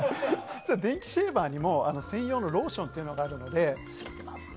電気シェーバーにも専用のローションがあるので。